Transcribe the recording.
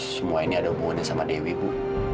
semua ini ada hubungannya sama dewi ibu